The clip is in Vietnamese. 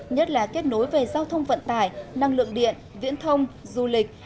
nhất là kết nối về giao thông vận tải năng lượng điện viễn thông du lịch